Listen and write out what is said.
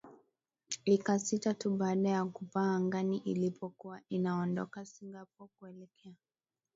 ika sita tu baada ya kupaa angani ilipokuwa inaondoka singapore kuelekea